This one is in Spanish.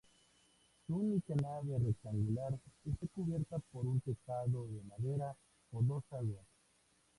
Su única nave rectangular está cubierta por un tejado de madera a dos aguas.